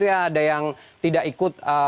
ada yang tidak ikut